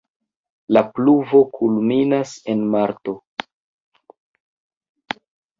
La pluvo kulminas en marto.